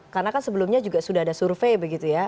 karena kan sebelumnya juga sudah ada survei begitu ya